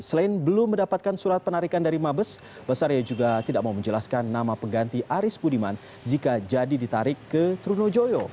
selain belum mendapatkan surat penarikan dari mabes basaria juga tidak mau menjelaskan nama pengganti aris budiman jika jadi ditarik ke trunojoyo